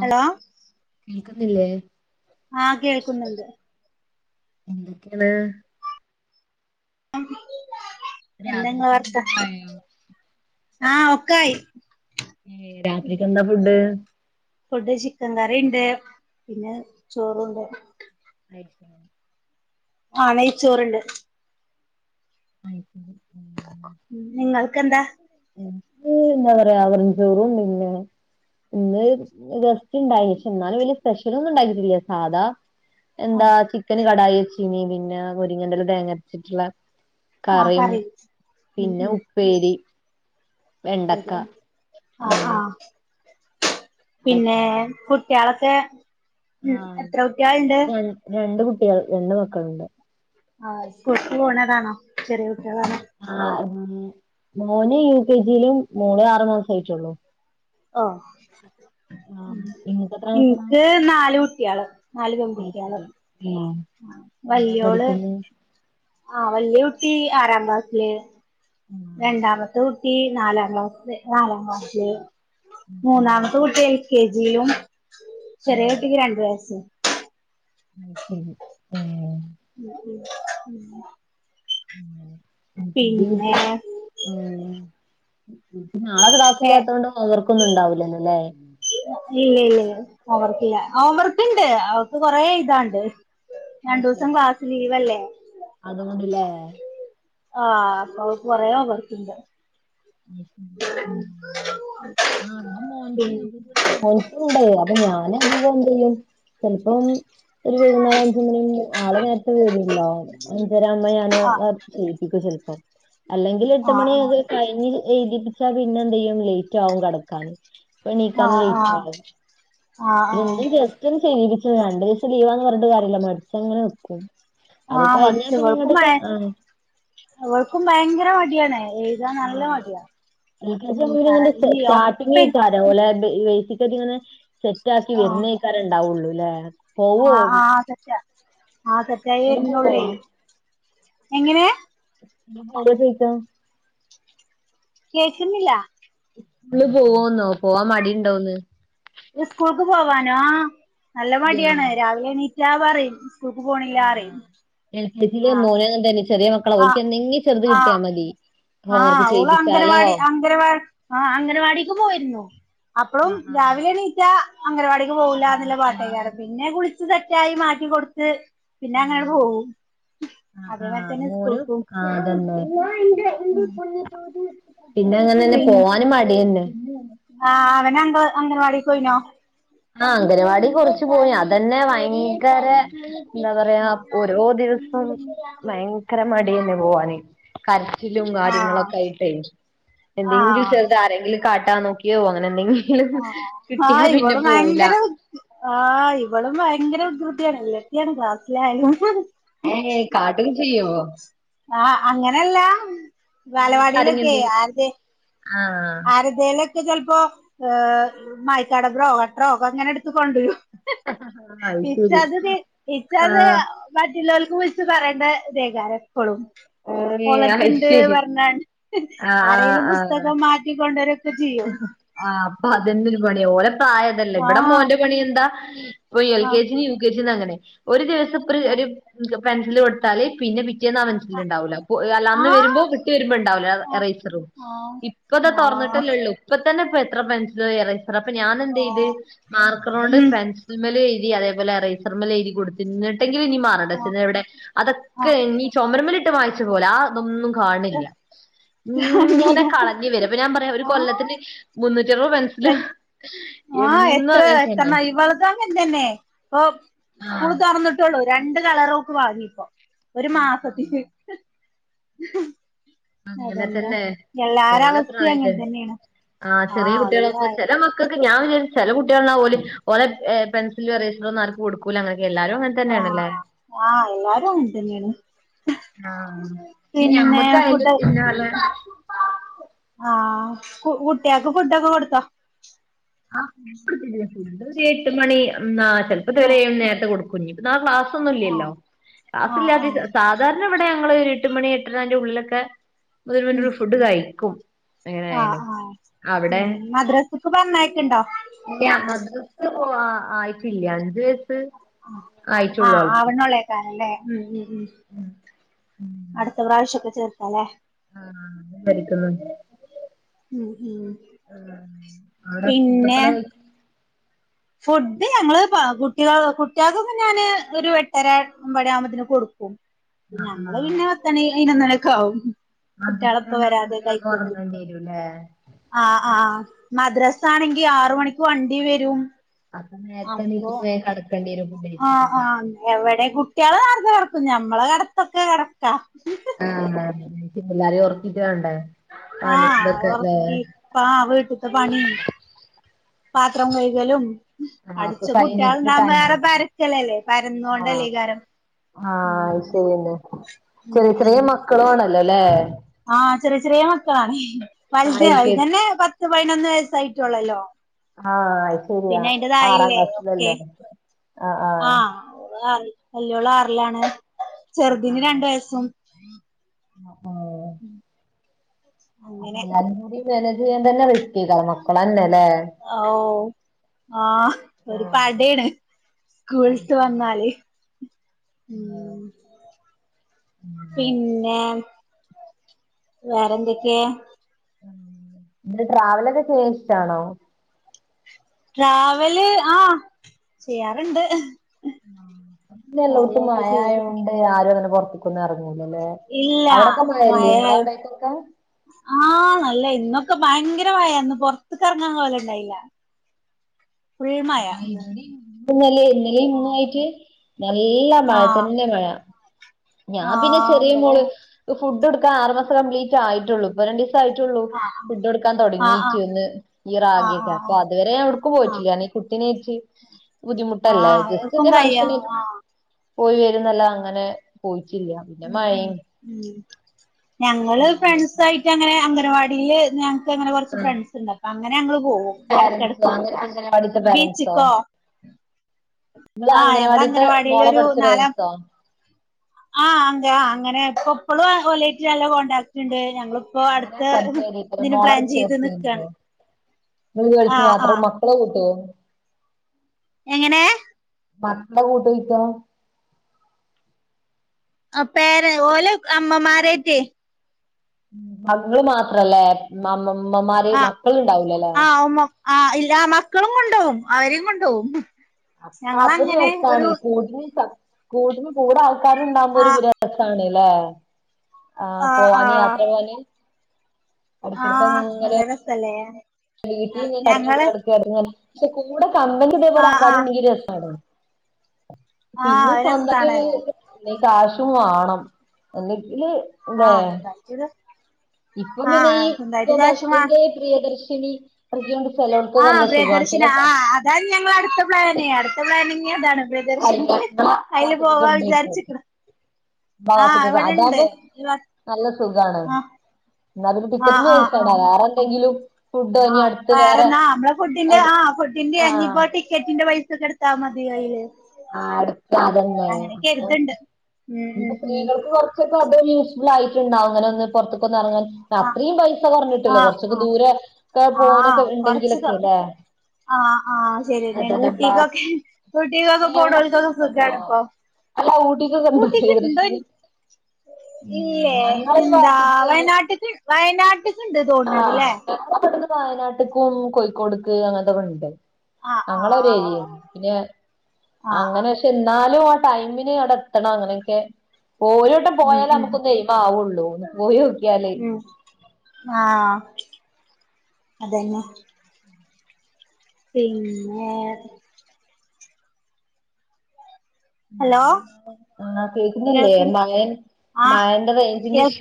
Hello. കേക്കുന്നില്ലേ? ആഹ് കേൾക്കുന്നുണ്ട്. എന്തൊക്കെയാണ്? എന്ത നിങ്ങളെ രാത്രിത്തെ വർത്ത ഫുഡൊക്കെ ആയോ ആഹ് ഒക്കായി. ഏഹ് രാത്രിക്ക് എന്താ ഫുഡ്? ഫുഡ് ചിക്കൻ കറിണ്ട് പിന്നെ ചോറുണ്ട്. അയ്. ആഹ് നെയ്ച്ചോറിണ്ട്. അയ്ശരി. ഉം. പിന്നെ നിങ്ങൾക്കെന്താ? എക്ക് എന്താ പറയാ വെറും ചോറും മീനും. ഇന്ന് ഗസ്റ്റ് ഇണ്ടായി ക്ഷേ എന്നാലും വലിയ സ്പെഷ്യല് ഒന്നും ഉണ്ടാക്കിട്ടില്ല സാധാ എന്താ ചിക്കന് കടായി വെച്ചീനി പിന്നെ മുരിങ്ങന്റെല തേങ്ങരച്ചിട്ടുള്ള ആഹ് കറിയും കറി ഉം പിന്നെ ഉം ഉപ്പേരി. വെണ്ടക്ക ശരി ആ ആഹ് ആഹ്. പിന്നെ അതൊക്കെ. കുട്ടിളൊക്കെ ഉം ആ എത്ര കുട്ട്യാളിണ്ട്? രണ്ട് രണ്ട് കുട്ട്യാൾ രണ്ട് മക്കളുണ്ട്. ആഹ് സ്കൂൾക് പോണതാണോ ചെറിയ കുട്ടികളാണോ? ആഹ് മോന് യു കെ ജിയിലും മോള് ആറു മാസയിട്ടുള്ളൂ. ഓ ആഹ് ഇങ്ങക്ക് എത്ര എനിക്ക് നാല് കുട്ട്യാള്. നാല് പെൺകുട്ട്യാള് അയിശെരി ഏഹ്. എന്താ വല്യോള് പഠിക്കുന്നെ ആഹ് വല്യ കുട്ടി ആറാം ക്ലാസില്. ഉം. രണ്ടാമത്തെ കുട്ടി നാലാം ക്ലാസില്. നാലാം ക്ലാസില് അയ്ശരി ഉം ഉം മൂന്നാമത്തെ കുട്ടി എൽ കെ ജി ലും ചെറിയേ ഉം കുട്ടിക്ക് രണ്ട് വയസ്സ്. [unintelligible] ഉം. [inaudible] [unintelligible] ഉം. [unintelligible] പിന്നെ ഉം നാളെ ഏ ക്ലാസ്സില്ലാത്തോണ്ട് ഹോം വർക്ക് ഒന്നും ഇണ്ടാവൂലല്ലോ ല്ലേ. [unintelligible] ഇല്ല ഇല്ല ഓംവർക്കില്ല ഓംവർക്ക് ഇണ്ട് അവൾക്ക് കൊറേ എയ്താണ്ട്. രണ്ടൂസം അയ്ശരി ക്ലാസ് ലീവല്ലേ അതുകൊണ്ട്ല്ലേ ആഹ് അപ്പ അവൾക്ക് കൊറേ ഓംവർക്ക്ണ്ട്. [unintelligible] ആഹ് പിൻ മോൻകുണ്ട് അപ്പ ഞാനധികം എന്തെയ്യും ചെൽപ്പം ഒരു വൈകുന്നേരഞ്ചുമണിൻ്റ് ആള് നേരത്തെ വെര്ണ്ടാവും അഞ്ചര ആവുമ്പ ഞാന് ആഹ് വർക്ക് ചെയ്യിപ്പിക്കും ചെൽപ്പം അല്ലെങ്കിലെട്ട് മണി ആഹ് ഒക്കെ ആഹ് കഴിഞ്ഞ് [unintelligible] എയ്തിപ്പിച്ചാ പിന്നെന്തെയ്യും ലൈറ്റാവും കെടക്കാന് പ്പ നീക്കാനും ആഹ് ലൈറ്റാവും ആഹ് ആഹ് [unintelligible] [unintelligible] ചെയ്യിപ്പിച്ച് രണ്ടീസം ലീവാന്ന് പറഞ്ഞിട്ട് കാര്യല്ല മടിച്ചങ്ങനെ നിക്കും അത് ആഹ് കഴിഞ്ഞാ മടിച്ചു പിന്നെങ്ങണ്ട് ഇവൾക്കും മയ ആഹ് അവൾക്കും ഭയങ്കര മടിയാണ് എയ് ക്കാ നല്ല ആ മടിയാ എൽ ഉം പറ ഇഞ് ഒപ്പര് ലെ ഓലേ ബെയ് [unintelligible] ഇങ്ങനെ സെറ്റ് ആക്കി ആഹ് വരുന്നേക്കാരണ്ടാവുള്ളുലേ ആഹ് ആഹ് സെറ്റ ആഹ് ഇങ്ങള് പോവോ സെറ്റായിവെര്നൊള്ളേ എങ്ങനേ [unintelligible] കേക്ക്ന്നില്ല ഇസ്കുള് പോവോന്ന് പോവാം മടിണ്ടോന്ന് ഇസ്കൂൾക്ക് പോവാനോ നല്ല മടിയാണ് ആഹ് രാവിലെ എണീ റ്റാ പറേം ഇസ്‌കൂൾക്ക് ആഹ് പോണില്ലാറയും എൽ കെ ജി ല് മോന് തന്നെ ചെറിയേ മക്കളാ ആഹ് ഓൽക്ക് എന്തെങ്കി ചെർത് കിട്ടിയാ ആഹ് മതി ഹോംവർക്ക് ആഹ് ഓള് ചെയ്യിപ്പിച്ചാലോ അംഗനവാടി അംഗ് അംഗനവാ ആഹ് അംഗനവാടിക്ക് പോയിര്ന്നു അപ്പം ആഹ് ആഹ് രാവിലെണീറ്റാ അംഗനവാടി ക്ക് പോവൂല്ലാന്ല്ല ആഹ് ആഹ് പാട്ടേക്കാരം പിന്നെ കുളിച്ച് സെറ്റായി മാറ്റി കൊട്ത്ത് പിന്നെ അങ്ങനാട് ആഹ് പോവും ആഹ് ആഹ് അതേമാര്തന്നെ മോനും ഇസ്‌കൂൾക്കും ആഹ് അതെന്ന് ഞാണ്ട് ഉം പിന്നെ അങ്ങനന്നെ പോവാനും മടിയെന്നെ ആഹ് അവനങ്ക് അംഗനവാടിക്ക് പോയിനോ ആഹ് അംഗനവാടി കൊറച്ച് പോയി അതന്നെ വയങ്കരന്താ പറയാ ആ ഒ ഓരോ ദിവസം വയങ്കര മടിയേന്ന് പോവാന് കരച്ചിലും ആ കാര്യങ്ങളൊക്കായിട്ടെ ആ എന്തെങ്കിലും ചെർത് ആരെങ്കിലും കാട്ടാ നോക്കിയോ അങ്ങനെന്തെങ്കിലും ആ കിട്ടിയാ പിന്നെ പോവൂല ആഹ് ഇവളും ഭയങ്കര വൃകൃതിയാണ് വില്ലത്തി ആണ് ക്ലാസ്സിലായാലും പാട്ടൊക്കെ ചെയ്യോ ആഹ് അങ്ങനല്ല പിന്ന കരഞാന്തേയും ആഹ് എടക്കേലൊക്ക ചെൽപ്പോ മായ്ക്കാടബ്രോ കട്രോ അങ്ങനെ എട്ത്ത് കൊണ്ടെരും [unintelligible] അത് ശരി ഇൻച്ചതത് ഇച്ചത് ആ മറ്റ്ള്ളോല്ക്ക് പറയണ്ട രേഖ എപ്പൊളും ഏ അത് ഓളെടുത്തിണ്ട് ശരി പറഞ്ഞ ആ ആ ആരെലും ആ പുസ്തകം മാറ്റിക്കൊണ്ടോരു ആഹ് അപ്പോ അതന്നരു പണിയാ ഓലെ പ്രായതല്ലേ ഇവടെ ആഹ് മോന്റെ പണി എന്താ പ്പോ എൽ ആഹ് കെ ജിന്നും യു കെ ജിന്നും അങ്ങനെ ഒരു ദിവസം ആഹ് ഒരു പെൻസില് കൊടുത്താല് പിന്നെ പിറ്റേ റ്റേന്ന് ആ പെൻസിലിണ്ടാവൂല അല്ല അന്ന് വരുമ്പോ ആഹ് [unintelligible] വരുമ്പോ ഉണ്ടാവൂല്ല ആഹ് എറൈസറും ആഹ് ഇപ്പതാ ആഹ് ആഹ് തൊറന്നി ട്ടുള്ളു ഇപ്പ തന്നെ ഇപ്പൊ എത്ര പെൻസിലു ഏറെയ്‌സ്റ അപ്പ ഞാന എന്തെതേയ്‌ത് ആഹ് മാർക്കറോണ്ട് ഉം പെൻസ് സിൽമേല് എയ്തി അതെപോലെ എറേസർമേലെഴുതി കൊടുത്ത് ന്ന് ട്ടെങ്കിലും ഇനി മാർ ആഹ് [unintelligible] വടെ അതൊക്കെ ആഹ് ഇനീ ചൊമരിമ്മലിട്ട് മായിച്ചാ പോലെ ആതൊന്നും കാണില്യ ആഹ് ഇങ്ങനെ കളഞ്ഞ് വര അപ്പോ ഞാൻ പറയാ ഒരു കൊല്ലത്തിന് മുന്നൂറ്ററുവ്‌ പെൻസില് ആഹ് എന്നും എത്ര അങ്ങനെ തന്നെ എത്രണ്ണായി ഇവളതും അങ്ങൻ തന്നെ ഇപ്പോ ആഹ് സ്കൂള് തൊറന്നി ട്ടുള്ളൂ രണ്ട് കളറോൾക്ക് വാങ്ങിപ്പോ ഒരു മാസത്തില് അങ്ങനെ അതന്നെ തന്നെല്ലേ എല്ലാര ഓലെ അവസ്ഥയും അങ്ങൻ പ്രായല്ലേ തന്നേണ് ആഹ് ചെറിയ ഓലെ കുട്ടികളാകുമ്പോ പ്രായം ചെല മക്ക ക്കെ ഞാൻ വിചാരിച്ച് ചെല കുട്ടികള് ന്നാ ഓല് ഓലെ പെൻസിലും റേസറന്നും ആർക്കും കൊടുക്കൂല അങ്ങനെക്കൊ എല്ലാരും അങ്ങനെ ആഹ് തന്നെയാണല്ലേ ആഹ് എല്ലാരും അങ്ങൻ തന്നേണ് ആഹ് ഇ ഞമ്മക്കയിന്റെ ഫുഡ് പിന്നാലെ ആഹ് കുട്ടിയാക്ക് ഫുഡൊക്കെ കൊടുത്തോ ആഹ് ഫുഡ്‌ ഒരു എട്ട് മണി ആഹ് ചെലപ്പോ ഒരു ആഹ് ഏഴു നേരത്തെ കൊടുക്കും കുഞ്ഞിക്ക് നാളെ ക്ലാസ് ഒന്നും ആഹ് ഇല്ലല്ലോ ആഹ് ആഹ് ക്ലാസ്ല്ല്ലാതീസാ സാ സാധാരാണവിടെ ഞങ്ങൾ ഒരു എട്ട് മണി എട്ടരെന്റെ ഉള്ളിലൊക്കെ ഉം [unintelligible] ഫുഡ് കഴിക്കും ആഹ് എങ്ങനായാലും ആഹ് അവിടെ ഉം മദ്രസക്ക് പറഞ്ഞായിക്ക്ണ്ടോ ഇല്ല്യ മദ്രസക്ക് പോ ആയിട്ടില്ല അഞ്ച് വയസ് ആഹ് ആവ്ണൊള്ളേകാരം ലേ ഉം ഉം ഉം അടുത്ത പ്രാവശ്യോക്കെ ചേർക്കലേ ആഹ് [unintelligible] ഉം ഉം ആഹ് അവടെ പിന്നെ ഫുഡപ്പളാ ഫുഡ് ഞങ്ങള് പ്പ കുട്ടികൾ കുട്ടികൾക്കൊക്കെ ഞാന് ഒരു എട്ടര ഒമ്പണി ആവുമ്പോതിന് കൊടുക്കും ആ ഞങ്ങള് പിന്നെ പത്തണി പയിനൊന്ന് മണിയൊക്കാവും മദ്രാസൊക്കെ ണ്ടായൊണ്ട് വേഗം ഒറങ്ങേണ്ടിരും ലേ ആഹ് ആഹ് മദ്രസാണെങ്കി ആറ് മണിക്ക് വണ്ടി വരും അപ്പോ അപ്പൊ നേരത്തെണീറ്റ് പോയ കടക്കേണ്ടി വരും [unintelligible] ആഹ് ആഹ് എവിടെ കുട്ടിയാള് കെടക്കും ഞമ്മളെ കെടത്തൊക്കെ കണക്കാ ആഹ് പിള്ളേരെ ഓർക്കിട്ട് വേണ്ടേ പണി ആഹ് ഇതൊക്കെല്ലേ ഒറക്കി ആഹ് വീട്ട്ത്തെ പണീം പാത്രം കൈകലും ആഹ് അപ്പൊ അടിച്ച കഴിഞ്ഞിട്ട് കുട്ടിയാളുണ്ടാവുമ്പോ ടൈം ഏറെ പരച്ക്കലല്ലേ ആഹ് പരന്നുകൊണ്ടല്ലേകാരം ആഹ് അത് ശെരിയെന്നെ ചെറിയ ചെറിയ ഉം മക്കളു ആണല്ലോല്ലേ ആഹ് ചെറിയ ചെറിയ മക്കളാണേ ആഹ് വലുത് എൽ കെ ജി വലുതന്നെ പത്ത് പതിനൊന്ന് വയസ്സായിട്ടുള്ളല്ലോ ആഹ് അത് ശരിയാ പിന്നെ അയിന്റെ ആറാം താഴല്ലേ ക്ലാസ്സിലല്ലേ ആ ആഹ് ഓ ളാറിലാ വല്ല്യോൾ ആറിലാണ് ചെറുതിന് രണ്ടു വയസ്സും ഉം അങ്ങനെ അപ്പൊല്ലാരീം കൂടി മാനേജ് ചെയ്യാൻ തന്നെ റിസ്‌കെകാരം മക്കളന്നെ ല്ലേ ഓ ആഹ് ഒരു ആഹ് പടേണ് അത് സ്കൂള്ട്ട് ശരിയാ വന്നാല് ആഹ് ഉം അങ്ങനെ പിന്നെ വേറെന്തൊക്കെ [unintelligible] ട്രാവലൊക്കെ ചെയ്യാൻ ഇഷ്ടാണോ ട്രാവല് ആ ചെയ്യാറുണ്ട് ഇപ്പോ എല്ലോഡ് തും ചെയ്യും മഴായോണ്ട് ആരും അങ്ങനെ പൊറത്തക്കൊന്നും ഇറങ്ങൂലല്ലേ ഇല്ല അവിടൊക്കെ മഴല്ലേ ഇങ്ങളെ മഴായോ അവിഡേക്കൊക്കെ ആഹ് നല്ല ഇന്നൊക്ക ഭയങ്കര മഴെ ഇന്ന് പൊറ്ത്ത്ക്കെറങ്ങാ കോലണ്ടായ്ല ആഹ് ഇന്നലീം ആഹ് ഇന്നുമായിറ്റ് നല്ല മഴ ആഹ് തെന്നെ മഴ ഞാൻ പിന്നെ ആഹ് ചെറിയ ഇവടെ മോള് ഫുഡ്ഡൊട്ക്ക ആറ് മാസം കംപ്ലീറ്റായിട്ടൊള്ളു ഇപ്പ രണ്ടീസായിട്ടൊള്ളു ആഹ് ആഹ് ഫുഡ്ഡൊട്ക്കാ ആഹ് ആഹ് തൊടങ്ങീറ്റൊന്ന് ആഹ് ഈറാഗിക്കാരം ഇപ്പൊ ആഹ് അതുവരേ എവ്ടുക്കും ആഹ് പോയിറ്റില്ല ഈ കുട്ടീനേട്ട് ആഹ് ബുദ്ധിമുട്ടല്ലെ ആഹ് എക്കും ജസ്റ്റിന്റെ കയ്യ ഫംങ്ഷന് ആഹ് പോയി വര്ന്നല്ലാ അങ്ങനെ പോയിറ്റില്ലാ ഉം ഉം ഉം ഞങ്ങള് അങ്ങനായിട്ട് ഫ്രൺസായ് അങ്ങന അംഗൻവാടീല് ഞങ്ങ്ക് അങ്ങന കൊറച്ച് ആഹ് ഫ്രൺസ്ണ്ട് അപ്പങ്ങനെ ഞങ്ങള് പോകും പാരൻസോ എടക്കെട്ക്ക് അങ്ങനെ അംഗനവാടിത്തെ പാരൻസോ ബീച്ച്ക്കോ നിങ്ങള് ആഹ് ഞങ്ങളെ അംഗനവാടിത്തെ മോളെ അംഗനവാടീലൊര് പഠിച്ച നാല പേരൻസോ ആഹ് അന്തെ ആഹ് അങ്ങനെ ഇപ്പ ഇപ്പളും ഒലേറ്റ് അല്ല കോൺടാക്ട്ണ്ട് ഞങ്ങളും ഇപ്പൊ അങ്ങനെ അട്ത്ത് പഠിച്ച പേരന്റ്സോ ഇതിന് പ്ലാൻ ചീത് നിക്കാണ് ഇങ്ങള് ഗേൾസ് ആഹ് മാത്രം ആഹ് മക്കളെ കൂട്ടൊ എങ്ങനേ മറ്റ്ള കൂട്ട് യിട്ടൊ ആഹ് പ്പേര് ഓല് അമ്മമാരേറ്റെ ഇങ്ങള് മാത്രലെ. മാമ്മ ഇമ്മമാര് ആഹ് മക്കള്ണ്ടാവൂലലെ ആഹ് ഉമ്മ ആഹ് ഇല മക്കളും കൊണ്ടോവും അവരിം കൊണ്ടോവും അപ്പരു. ഞങ്ങളങ്ങനെ ഒരു രസണ് കൂടിന് കൂടിന് കൂടെ ആ ആൾക്കാര്ണ്ടാവുമ്പൊര് രസണ്ലെ ആഹ് ആ ആ പോവാന് യാത്ര പോവാന് ആഹ് നല്ല രസല്ലേ വീട്ടിലിങ്ങനെ കട്ഞ്ഞൂടി ഞങ്ങള് നടക്കാണ്ങ്ങനെ. പഷെ കൂടെ കമ്പനി ആ ഇതേപോലെ ആ ആൾക്കാരുംണ്ടെങ്കി രസാണ് ആ പിന്നെ അത് സ്വന്തക്കേ രസാണ് കാശും വാണം എന്നെക്കില് ആഹ് ഇണ്ടാക്ക്യത് ഇപ്പം പിന്നെ ഈ ബസ്സിന്റെ പ്രിയദർശിനി അറകി കൊണ്ട് ചിലോൽകൊക്ക നല്ല സുഖ ചെലോൽക് താണ് ഞങ്ങളെ അട്ത്ത പ്ലാന്. അട്ത്ത പ്ലാനിഞി അതാണ് പ്രിയദർശിനി അല്ല ഇങ്ങളെ ആ അയില് വാത്ത്ക്കൊക്കെ പോവാ ഇണ്ടേക്കും. വിചാരിച്ചിക്ക്ണ് ആ ഭാഗത്ത്ക് ഇവിടെണ്ട് അതാവ്മ്പൊ നല്ല സുഖാണ് ആ ന്നാല്ലും ആ ടിക്കറ്റിന് പൈസ വേണ്ട വേറെന്തെങ്കിലും ആഹ് വേറെന്നാ അമ്മ്ള ഫുഡ്ഡിന്റ എട് ആ ഫുഡ്ഡിന്റെ ആഹ് ഇഞ്ഞിപൊ ടി കെറ്റിന്റെ പൈസൊക്ക ഇട്ത്താ മതി അയ്ല് ആഹ് അടുത്ത അതെന്നെ ഉം ഇപ്പം ഉം ഉം സ്ത്രീകൾക്ക് പോർ ഞപ്പത് യൂസ്ഫുളായിട്ട്ണ്ടാവും ഇങ്ങനൊന്ന് പുറത്ത്കൊന്നെറങ്ങാഞ്ട് ആഹ് അത്രീം പൈസ കൊർഞ്ഞുട്ടൂല്ലെ ആഹ് കൊറ്ച്ചൊക്കെ ആഹ് ദൂരെ ക്കെ പോണക്കെ ആഹ് കൊറച്ച് ഇണ്ടെങ്കിലൊക്കെലേ ആഹ് ആഹ് ശരിയെന്നേണ് ബാ ഊട്ടികൊക്കെ ഊട്ടീകൊക്കെ പോണോൽകൊക്കെ ഊട്ടിക്കൊക്കെണ്ടോ സുഖാണ്പ്പൊ അല്ല ഊട്ടിക്കൊക്കെണ്ടോ ഊട്ടീക്ക് ഇണ്ടൊ പ്രിയദർശിനി ഇല്ലേ? ഞങ്ങളെ ഈ എന്താ ഭാഗത്ത്ക്ക് വയനാട്ട്ക് വയനാട്ട്ക് ഇണ്ട് ആഹ് തോന്ന്ണ്ട്ലെ ഞങ്ങളെ ഇവ്ടുന്ന് വയനാട്ട്ക്കും കോഴിക്കോട്ക്ക് അങ്ങൻതൊക്കണ്ട് ആഹ് അങ്ങളെ ആഹ് ഒരെര്യേണ് പിന്നെ ആഹ് അങ്ങനെ പഷെ ഇന്നാലും ആഹ് ട്ടൈമിന് അവടെത്തണം അങ്ങനൊക്കെ ഓര് അങ്ങട്ട് ഉം പോയാലെ ഉം ഞമ്മക്കൊന്ന് എയ്മാവൊള്ളൂ ഒന്ന് പോയോക്കിയാലൈ ഉം ആഹ് അതെന്നെ പിന്നെ ഹലോ ആഹ് കേക്കുന്നില്ലെ കേൾക്ക് മഴെ ആഹ് കേക്ക്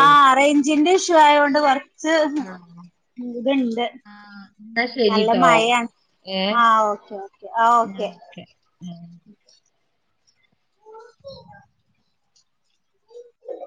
ആഹ് റെയ്ഞ്ചിന്റെ ഇഷ്യുവായോണ്ട് കൊറ്ച്ച് ആഹ് ചൂട്ണ്ട് ആഹ് എന്നാ നല്ല ശരിട്ടോ മഴാണ് ആഹ് ഓക്കെ ഓക്കെ ആഹ് ഓക്കെ ഉം